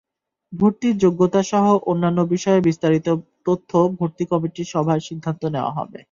ভর্তির যোগ্যতাসহ অন্যান্য বিষয়ে বিস্তারিত তথ্য ভর্তি কমিটির সভায় সিদ্ধান্ত নেওয়া হবে।